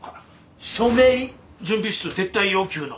署名準備室撤退要求の。